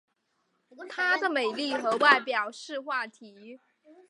她的美丽和外表是话题。